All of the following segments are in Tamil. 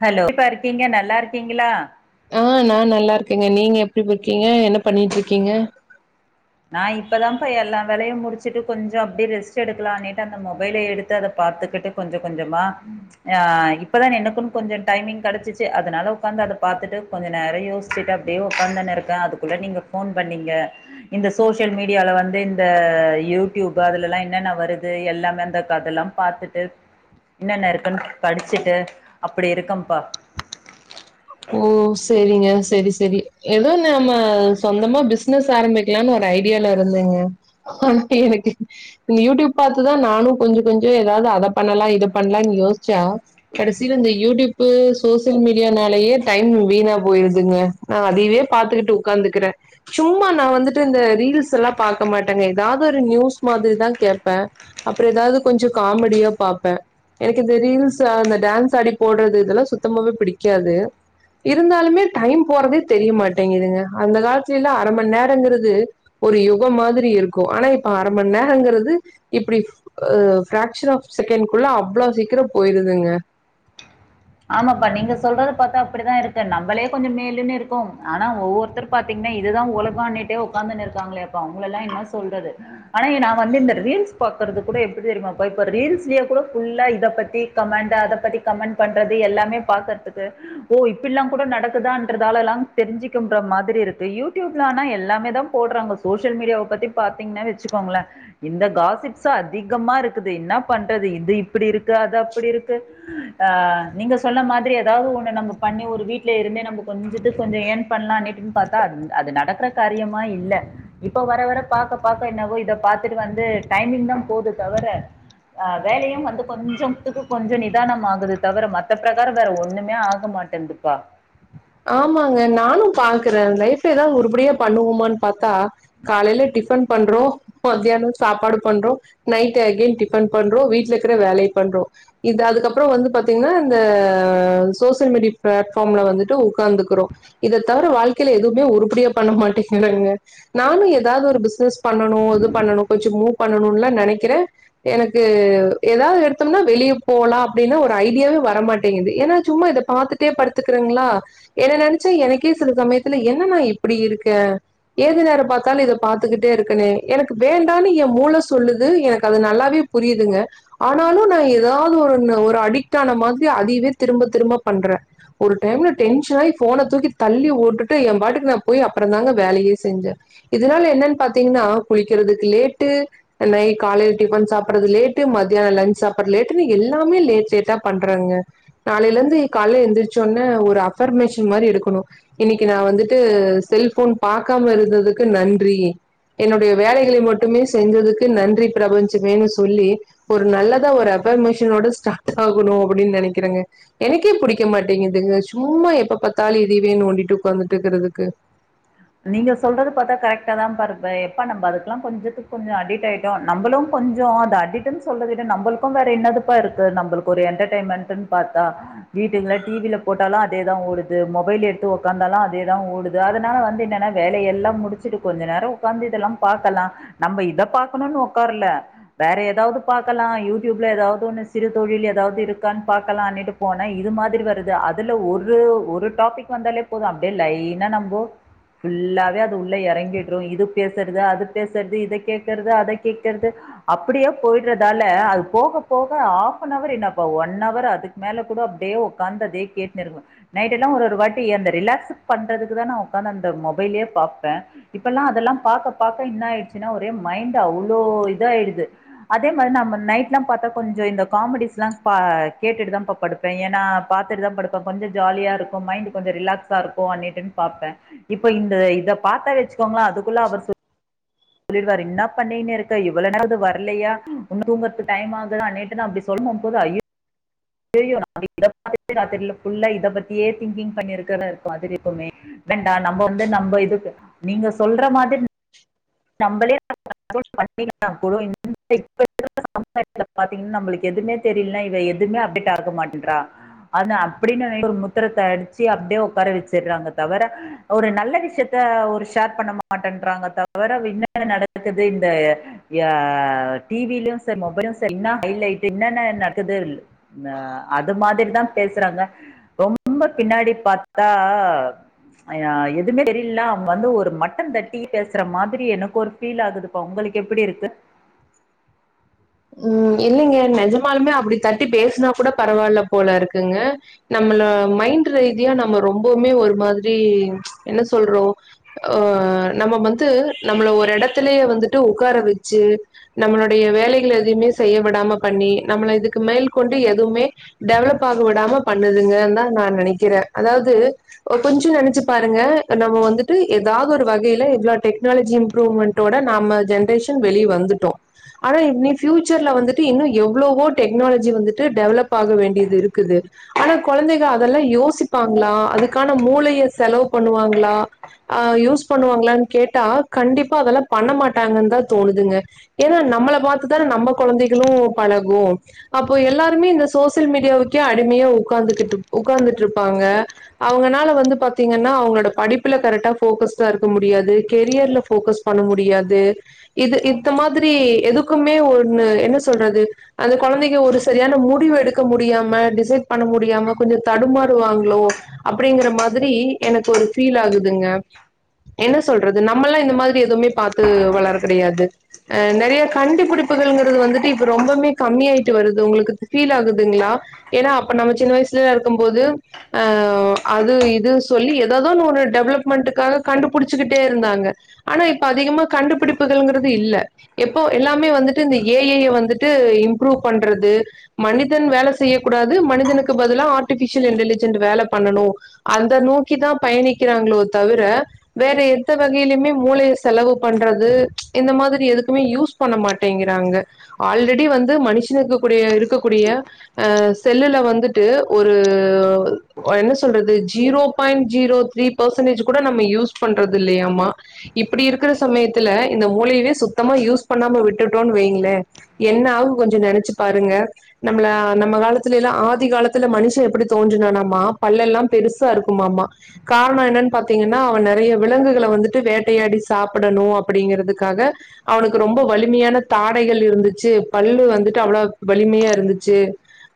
ஹலோ எப்டிப்பா இருக்கீங்க நல்லா இருக்கீங்களா ஆஹ் நா நல்லா இருக்கேங்க நீங்க எப்டிபோ இருக்கீங்க என்ன பண்ணிட்ருக்கீங்க நா இப்பதாபா எல்லா வேலையும் முடிச்சுட்டு கொஞ்ச அப்டியே ரெஸ்ட் எடுக்கலானுேட்டு அந்த மொபைல எடுத்து அத பாத்துக்கிட்டு கொஞ்ச கொஞ்சமா ஆஹ் இப்பதா எனக்குன்னு கொஞ்சோ டைமிங் கெடைச்சிச்சு அதனால உக்காந்து அத பாத்துட்டு கொஞ்ச நேரம் யோசிச்சுட்டு அப்டியே உக்காந்துனுருக்கே அதுக்குள்ள நீங்க ஃபோன் பண்ணீங்க இந்த சோசியல் மீடியால வந்து இந்த யூடியூப்பு அதுலல்லாம் என்னென்ன வருது எல்லாமே அந்த கதல்லா பாத்துட்டு என்னென்ன இருக்குன்னு படிச்சுட்டு அப்டி இருக்கம்பா ஓ செரிங்க செரி செரி ஏதோ நம்ம சொந்தமா பிஸ்னஸ் ஆரம்பிக்கலானு ஒரு ஐடியால இருந்தேங்க ஆ எனக்கு இந்த யூடியூப் பாத்துதா நானும் கொஞ்ச கொஞ்ச ஏதாது அத பண்ணலா இது பண்ணலான்னு யோஸ்ச்சா கடசில இந்த யூடியூப்பு சோசியல் மீடியானாலயே டைம் வீணா போயிருதுங்க நா அதயவே பாத்துக்கிட்டு உக்காந்துக்கிற சும்மா நா வந்துட்டு இந்த ரீல்ஸ் எல்லாம் பாக்க மாட்டங்க ஏதாது ஒரு நியூஸ் மாத்ரிதா கேட்பே அப்புற ஏதாது கொஞ்ச காமெடியோ பாப்ப எனக்கு இந்த ரீல்ஸ் அந்த டான்ஸ் ஆடி போட்றது இதெல்லா சுத்தமாவே பிடிக்காது இருந்தாலுமே டைம் போறதே தெரியமாட்டேங்குதுங்க அந்த காலத்துலல்ல அர மண் நேரங்குறது ஒரு யுகம் மாத்ரி இருக்கு ஆனா இப்ப அர மண் நேரங்குறது இப்டி அஹ் பிராக்சர் ஆஃப் செகண்ட்குள்ள அவ்ளவு சீக்கிர போயிருதுங்க ஆமாப்பா நீங்க சொல்றத பாத்தா அப்டிதா இருக்கு நம்ளே கொஞ்ச மேலுன்னுருக்கும் ஆனா ஒவ்வொருத்தரு பாத்தீங்னா இதுதா உலகானுட்டே உக்காந்துன்னு இருக்காங்களேப்பா அவ்ங்களல்லா என்னா சொல்றது ஆனா நா வந்து இந்த ரீல்ஸ் பாக்கறது கூட எப்டி தெரியுமாப்பா இப்ப ரீல்ஸ்லயே கூட ஃபுல்லா இத பத்தி கமண்டு அத பத்தி கமண் பண்றது எல்லாமே பாக்றதுக்கு ஓ இப்டில்லா கூட நடக்குதான்றதாலலாம் தெரிஞ்சுக்குன்ற மாத்ரி இருக்கு யூடியூப்லனா எல்லாமே தா போடுறாங்க சோசியல் மீடியாவ பத்தி பாத்தீங்ன்னா வச்சுக்கோங்களே இந்த காசிப்ஸ்ஸா அதிகமா இருக்குது என்ன பண்றது இது இப்டி இருக்கு அது அப்டி இருக்கு ஆஹ நீங்க சொல்ல மாத்ரி ஏதாவது ஒண்ணு நம்ம பண்ணி ஒரு வீட்ல இருந்தே நம்ம கொஞ்சத்துக் கொஞ்ச ஏன் பண்ணலாம்ன்ட்டு பாத்தா அது நடக்குற காரியமா இல்ல இப்போ வர வர பாக்க பாக்க என்னவோ இத பாத்துட்டு வந்து டைமிங் தா போது தவர ஆ வேலையும் வந்து கொஞ்சத்துக்கு கொஞ்ச நிதானம் ஆகுது தவர மத்த பிரகாரம் வேற ஒண்ணுமே ஆக மாட்டேங்துப்பா ஆமாங்க நானும் பாக்குற லைஃப் ஏதாது உருபடியா பண்ணுவோமான்னு பாத் தா காலைல டிஃபன் பண்றோ மத்யானம் சாப்பாடு பண்றோ நைட்டு எகைன் டிஃபன் பண்றோ வீட்ல இருக்ற வேலய பண்றோ இது அதுக்கப்பறம் வந்து பாத்தீங்ன்னா இந்த சோசியல் மீடியா பிளாட்பார்ம்ல வந்துட்டு உ க்காந்துக்குறோ இத தவிர வாழ்க்கையில எதுவுமே உருப்படியா பண்ண மாட்டேங்குறாங்க நானு ஏதாவ்து ஒரு பிசினஸ் பண்ணணு இது பண்ணணு கொஞ்சொ மூவ் பண்ணணுலாம் நெனக்கிற எனக்கு ஏதாது எடுத்தோம்னா வெளியே போலா அப்டின்னா ஒரு ஐடியாவே வரமாட்டேங்குது ஏன்னா சும்மா இத பாத்துட்டே படுத்துக்கறங்ளா என்ன நெனைச்சா எனக்கே சில சமயத்துல என்ன நா இப்டி இருக்கே ஏது நேரம் பாத்தாலும் இத பாத்துக்கிட்டே இருக்கனே எனக்கு வேண்டான்னு எ மூள சொல்லுது எனக்கு அது நல்லாவே புரியுதுங்க ஆனாலு நா ஏதாது ஒருன்னு ஒரு அடிட் ஆன மாத்ரி அதிய்வே திரும்ப திரும்ப பண்ற ஒரு டைம்ல டென்ஷனாய் ஃபோன் தூக்கி தள்ளி ஓட்டுட்டு எ பாட்டுக்கு நா போய் அப்ற தாங்க வேலையே செஞ்ஜ இதனால என்னனு பாத்தீங்ன்னா குளிக்கிறதுக்கு லேட்டு நை காலையில டிபன் சாப்ட்றது லேட்டு மதியான லஞ் சாப்ட்ற லேட்டுனு எல்லாமே லேட் லேட்டா பண்றங்க நாளைய்லலிருந்து காலை எந்ரிச்ச ஒட்னே ஒரு அபர்மேஸன் ன்மாரி எடுக்குனும் இன்னைக்கி நா வந்துட்டு செல்ஃபோன் பாக்காம இருந்ததுக்கு நன்றி என்னுடைய வேலைகளை மட்டுமே செஞ்சதுக்கு நன்றி பிரபஞ்சமேனு சொல்லி ஒரு நல்லதா ஒரு ஆஃபர்மேஷன் ஓட ஸ்டார்ட் ஆகணும் அப்டின் நெனைக்கிறங்க எனக்கே புடிக்க மாட்டேங்குது சும்மா எப்பபாத் தாளி இதயவே நோண்டிட்டு உக்காந்துட்டுருக்குறதுக்கு நீங்க சொல்றது பாத்தா கரெக்ட்டா தாப்பா இருக்கு எப்ப நம்ம அதுக்கெல்லா கொஞ்சத்துக்கு கொஞ்ச அடிட் ஆயிட்டோம் நம்பளும் கொஞ்சோ அது அடிக்ட்ன்னு சொல்றது விட நம்பளுக்கும் வேற என்னதுப்பா இருக்கு நம்பளுக்கு ஒரு என்டர்டெின்மெண்டுன்னு பாத்தா வீட்டுங்கல டிவில போட்டாலு அதேதா ஓடுது மொபைல் எடுத்து உக்காந்தாலு அதேதா ஓடுது அதனால வந்து என் என்னன்னா வேலயெல்லா முடிச்சுட்டு கொஞ்ச நேர உக்காந்து இதெல்லா பாக்கலா நம்ம இத பாக்கணுனு உக்காரல வேற ஏதாவ்து பாக்கலா யூடியூப்ல ஏதாது ஒன்னு சிறு தொழில் ஏதாவ்து இருக்கான்னு பாக்கலான்ட்டு போன இது மாத்ரி வருது அதுல ஒரு ஒரு டாபிக் வந்தாலே போதும் அப்டியே லைன்னா நம்போ ஃபுல்லாவே அது உள்ள இறங்கிடு இது பேசுறது அது பேசுறது இத கேக்றது அத கேக்றது அப்டியே போயிடுறதால அது போக போக ஹாப்பனவர் என்னப்பா ஒன்னவர் அதுக்கு மேல கூட அப்டியே உக்காந்து அதே கேட்டுனுருக்கே நைட்டெல்லா ஒரு ஒரு வாட்டி அந்த ரிலாக்ஸ்கு பண்றதுக்கு தா நா உக்காந்து அந் த மொபைலயே பாப்ப இப்பெல்லா அதெல்லா பாக்க பாக்க என்னயிடுச்சுன்னா ஒரே மைண்ட் அவ்வளோ இத யிடுது அதே மாரி நம்ம நைட்ல்லாம் பாத்த கொஞ்ச இந்த காமெடிஸ் எல்லாம் பா கேட்டுட்டுதாப்பா படுப்பே ஏன்னா பாத்துட்டுதா படுப்ப கொஞ்ச ஜாலியா இருக்கும் மைண்ட் கொஞ்ச ரிலாக்ஸா இருக்குன்ட்டு பாப்பே இப்ப இந்த இத பாத்த வச்சுக்கோங்களா அதுக்குள்ள அவர் [unintelligible] சொல்லிடுவாரு என்ன பண்ணீன்னு இருக்க இவ்வள நேரகுது வர்லையா உன்னு தூங்கறதுக்கு டைம் ஆகுத நேத்துலா அப்டி சொல்ணு போது [unintelligible] இதராத்திரிலல்லா இத பத்தியே திங்கிங் பண்ணிருக்க இருக்கும் அதுர எப்வுமே வேண்டா நம்ம வந்து நம்ம இதுக்கு நீங்க சொல்ற மாத்ரி ந நம்மளே [inaudible] பாத்தீங்கன்னா நம்மளுக்கு எதுவுமே தெரியலனா இ எதுவுமே அப்டேட் ஆக மாட்டேன்ற அன அப்டின்னு ந ஒரு முத்திரத்த அடிச்சு அப்டியே உக்கார வச்சடுறாங்க தவர ஒரு நல்ல விஷ்யத்த ஒரு ஷேர் பண்ண மாட்டேன்றாங்க தவ தவர [inaudible] நடக்குது இந்த டிவிலும் சரி மொபைலும் சரி இன்னா ஹலைட்டு என்னன்ன நடக்குது இல் அத மாத்ரிதா பேசுறாங்க ரொம்ப பின்னாடி பாத்தா ஆஹ் எதுவுமே தெரியில அவ்ங்க வந்து ஒரு மாட்டந்தட்டி பேசு ற மாத்ரி எனக்கு ஒரு ஃபீல் ஆகுதுப்பா உங்களுக்கு எப்டி இருக்கு உம் இல்லைங்க நெஜமாலுமே அப்டி தட்டி பேசுனா கூட பரவால்ல போல இருக்குங்க நம்மள மைண்ட் ரீதியா நம்ம ரொம்பவுமே ஒரு மாத்ரி என்ன சொல்றோம் அஹ் நம்ம வந்து நம்மள ஒரு எடத்துலயே வந்துட்டு உக்கார வச்சு நம்மளுடைய வேலைகள எதுவுமே செய்ய விடாம பண்ணி நம்மள இதுக்கு மேல்கொண்டு எதுவுமே டெவலப் ஆக விடாம பண்ணுதுங்கா தா நா நெனைக்கிறேன் அதாவ்து ஓ கொஞ்சோ நெனைச்சு பாருங்க நம்ம வந்துட்டு ஏதாது ஒரு வகையில இவ்ளவு டெனாலஜி இம்ப்ரூவ்மென்ட்டோட நம்ம ஜென்ரேஷன் வெளிய வந்துட்டோ ஆனா இன்னி ஃபியூச்சர்ல வந்துட்டு இன்னும் எவ்வளோவோ டெக்னாலஜி வந்துட்டு டெவலப் ஆக வேண்டியது இருக்குது ஆனா கொழந்தைக அதெல்லாம் யோசிப்பாங்களா அதுக்கான மூளைய செலவு பண்ணுவாங்களா ஆஹ் யூஸ் பண்ணுவாங்களான்னு கேட்டா கண்டிப்பா அதெல்லா பண்ணமாட்டாங்கன்னு தா தோணுதுங்க ஏன்னா நம்மள பாத் தான நம்ம கொழந்தைகளும் பழகும் அப்போ எல்லாருமே இந்த சோசியல் மீடியாவுக்கே அடிமையா உக்காந்துகிட்டு உக்காந்துட்டு இருப்பாங்க அவ்ங்களால வந்து பாத்தீங்கன்னா அவ்ங்களோட படிப்புல கரெக்டா ஃபோக்கஷ்டா இருக்க முடியாது கெரியர்ல போக்கஸ் பண்ண முடியாது இது இந்த மாத்ரி எது க்குமே ஒன்னு என்ன சொல்றது அந்த கொழந்தைங்க ஒரு சரியான முடிவு எடுக்க முடியாம டிசைட் பண்ண முடியாம கொஞ்சோ தடுமாறு வாங்களோ அப்டிங்கற மாத்ரி எனக்கு ஒரு பீல் ஆகுதுங்க என்ன சொல்றது நம்மல்லாம் இந்த மாத்ரி எதுவுமே பாத்து வளர கெடையாது நெறைய கண்டுபிடிப்புகள்கிறது வந்துட்டு இப்ப ரொம்பமே கம்மிஆயிட்டு வருது உங்களுக்கு ஃபீல் ஆகுதுங்களா ஏனா அப்ப நம்ம சின்ன வயசுல இருக்கும் போது அது இது சொல்லி ஏதாவது ஒன்னு டெவலப்மெண்டுக்காக கண்டுபிடிச்சுகிட்டே இருந்தாங்க ஆனா இப்ப அதிகமா கண்டுபிடிப்புகள்ங்கிறது இல்ல இப்போ எல்லாமே வந்துட்டு இந்த ஏ ஐ ய வந்துட்டு இம்ப்ரூவ் பண்றது மனிதன் வேலை செய்யக்கூடாது மனிதனுக்கு பதிலாக ஆர்ட்டிபிஷியல் இன்டலிஜென்ட் வேல பண்ணணும் அந்த நோக்கிதான் பயணிக்கிறாங்களோ தவிர வேற எந்த வகையிலயுமே மூளைய செலவு பண்றது இந்த மாதிரி எதுக்குமே யூஸ் பண்ண மாட்டேங்கிறாங்க ஆல்ரெடி வந்து மனுஷனுக்கு கூடிய இருக்கு இருக்கக்கூடிய அஹ் செல்லுல வந்துட்டு ஒரு என்ன சொல்றது zero point zero three percentage கூட நம்ம யூஸ் பண்றது இல்லைம்மா இப்படி இருக்கிற சமயத்துல இந்த மூளையவே சுத்தமா யூஸ் பண்ணாம விட்டுட்டோன்னனு வைங்களே என்ன ஆகும் கொஞ்சம் நெனைச்சு பாருங்க நம்மள நம்ம காலத்துலல்ல ஆதி காலத்துல மனுஷன் எப்படி தோன்றுனானம்மா பல்லெல்லாம் பெருசா இருக்குமாமா காரணம் என்னன்னு பாத்தீங்கன்னா அவன் நெறைய விலங்குகளை வந்துட்டு வேட்டையாடி சாப்பிடணும் அப்படிங்கிறதுக்காக அவனுக்கு ரொம்ப வலிமையான தாடைகள் இருந்துச்சு பல்லு வந்து அவ்ளவா வலிமையா இருந்துச்சு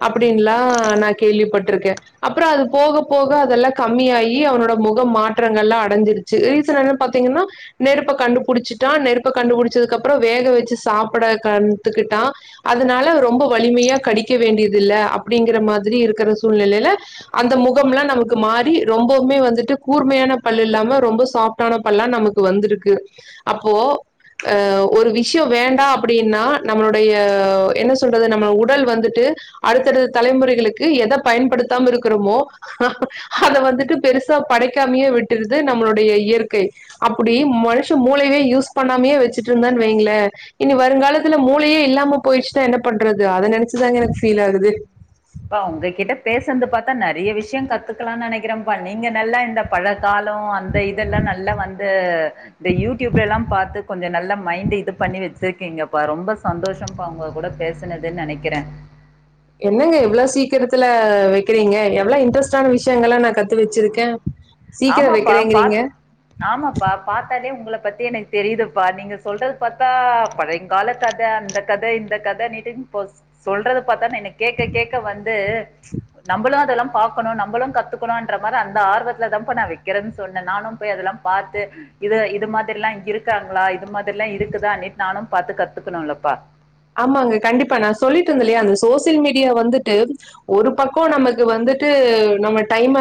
அப்படின்லா நான் கேள்விப்பட்டிருக்கேன் அப்புறம் அது போக போக அதெல்லாம் கம்மியாயி அவனோட முகம் மாற்றங்கலெல்லாம் அடைஞ்சிருச்சு ரீசன் என்ன பாத்தீங்கன்னா நெருப்ப கண்டுபிடிச்சிட்டான் நெருப்ப கண்டுடிச்சதுக்கும் அப் அப்புறம் வேக வச்சு சாப்பிட கத்துக்கிட்டான் அதனால ரொம்ப வலிமையா கடிக்க வேண்டியதுல்ல அப்படிங்கிற மாதிரி இருக்கிற சூழ்நிலையில அந்த முகம்லாம் நமக்கு மாறி ரொம்பவுமே வந்துட்டு கூர்மையான பல் இல்லாம ரொம்ப சாப்டான பல்லா நமக்கு வந்திருக்கு அப்போ அஹ் ஒரு விஷயம் வேண்டாம் அப்படின்னா நம்மளுடைய என்ன சொல்றது நம்ம உடல் வந்துட்டு அடுத்தடுத்த தலைமுறைகளுக்கு எத பயன்படுத்தாம இருக்கிறோமோ அத வந்துட்டு பெருசா படைக்காமையே விட்டுருது நம்மளுடைய இயற்கை அப்படி மனுஷ மூளையவே யூஸ் பண்ணாமையே வச்சுட் இருந்தான் வைங்கள இனி வருங்காலத்துல மூளையே இல்லாம போயிச்சுதான் என்ன பண்றது அத நெனைச்சுதாங்க எனக்கு ஃபீல் ஆகுது ப உங்க கிட்ட பேசரது பார்த்தா நெறைய விஷயம் கத்துக்கலாம்னு நெனைக்கிறன்பா நீங்க நல்லா இந்த பழ காலம் அந்த இதெல்லாம் நல்லா வந்து இந்த யூடியூப்ல எல்லாம் பாத்து கொஞ்சம் நல்ல மைண்ட் இது பண்ணி வச்சிருக்கீங்கப்பா ரொம்ப சந்தோஷம்ப்பா அவங்க கூட பேசுனதுன்னு நெனைக்கிறேன் என்னங்க எவ்வளவு சீக்கிரத்துல வெக்கிறீங்க எவ்வளவு இன்ட்ரெஸ்ட் ஆன விஷயங்கலெல்லாம் நான் கத்து வெச்சிருக்கேன் ஆமாப்பா பா ஆமாப்பா பா உங்க பத்தி எனக்கு தெரியுதுப்பா நீங்க சொல்றது பார்த்தா பழையங்கால கத அந்த கத இந்த கதனிட்டு சொல்றது பார்த்தா இன்னைக்கு கேட்க கேட்க வந்து நம்மளும் அதெல்லாம் பாக்கணும் நம்மளும் கத்துக்கணும்ன்ற மாதிரி அந்த ஆர்வத்த அதுலதான்ப்ப நான் வைக்கிறேன்னு சொன்னேன் நானும் போய் அதெல்லாம் பாத்து இது இது மாதிரி எல்லாம் இங்க இருக்காங்களா இது மாதிரில்லாம் இருக்குதா அப்படினுட்டு நானும் பாத்து கத்துக்கணும்லப்பா ஆமாங்க கண்டிப்பா நான் சொல்லிட்டு இருந்தேலையா அந்த சோசியல் மீடியா வந்துட்டு ஒரு பக்கம் நமக்கு வந்துட்டு நம்ம டைம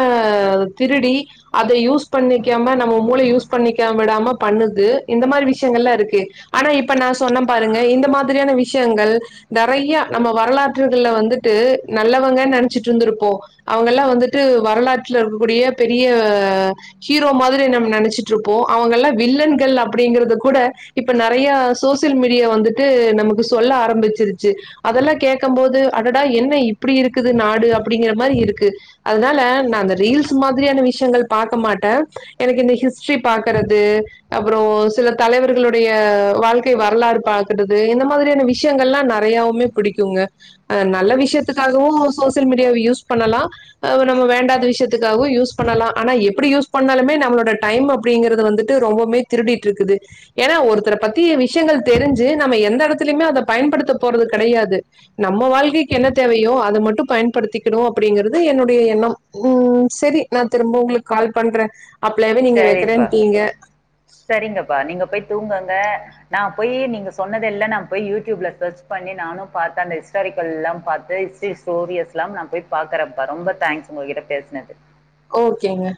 திருடி அத யூஸ் பண்ணிக்காம நம்ம மூளை யூஸ் பண்ணிக்க விடாம பண்ணுது இந்த மாதிரி விஷயங்கல்லாம் இருக்கு ஆனா இப்ப நான் சொன்ன பாருங்க இந்த மாதிரியான விஷ விஷயங்கள் நெறைய நம்ம வரலாற்றுகள்ல வந்துட்டு நல்லவங்க நெனைச்சிட்டு இருந்திருப்போம் அவங்கல்லாம் வந்துட்டு வரலாற்றுல இருக்கக்கூடிய பெரிய ஹீரோ மாதிரி நம்ம நெனைச்சிட்டு இருப்போம் அவங்க எல்லாம் வில்லன்கள் அப்படிங்கறது கூட இப்ப நெறைய சோசியல் மீடியா வந்துட்டு நமக்கு சொல்ல ஆரம்பிச்சிடுச்சு அதெல்லாம் கேட்கம் போது அடடா என்ன இப்படி இருக்குது நாடு அப்படிங்கிற மாதிரி இருக்கு அதனால நான் ரீஸ் மாதிரியான விஷயங்கள் பார்க்க மாட்டேன் எனக்கு இந்த ஹிஸ்டரி பாக்கிறது அப்புறம் சில தலைவர்களுடைய வாழ்க்கை வரலாறு பாக்குறது இந்த மாதிரியான விஷயங்கல்லாம் நெறையவுமே பிடிக்குங்க நல்ல விஷயத்துக்காகவும் சோசியல் மீடியாவ யூஸ் பண்ணலாம் நம்ம வேண்டாத விஷயத்துக்காகவும் யூஸ் பண்ணலாம் ஆனா எப்படி யூஸ் பண்ணாலுமே நம்மளோட டைம் அப்படிங்கறது வந்துட்டு ரொம்பமே திருடிட்டு இருக்குது ஏன்னா ஒருத்தர பத்தி விஷயங்கள் தெரிஞ்சு நம்ம எந்தடத்து த்திலிமே அதை பயன்படுத்த போறது கெடையாது நம்ம வாழ்க்கைக்கு என்ன தேவையோ அத மட்டும் பயன்படுத்திக்கணும் அப்படிங்கிறது என்னுடைய எண்ணம் உம் சரி நான் திரும்ப உங்களுக்கு கால் பண்றேன் அப்பலாவ நீங்க சரிப்பா வெக்கிறேன்டீங்க சரிங்கப்பா. நீங்க போய் தூங்குங்க நான் போய் நீங்க சொன்னதெல்லாம் நான் போய் யூடியூப்ல சர்ச் பண்ணி நானும் பாத்து அந்த ஹிஸ்டாரிக்கல் எல்லாம் ஹிஸ்டரி ஸ்டோரியஸ்லாம் நான் போய் பாக்கறேன் பா ரொம்ப தேங்க்ஸ் உங்ககிட்ட பேசினது ஓகேங்க